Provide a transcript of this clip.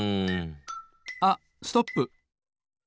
あっストップ！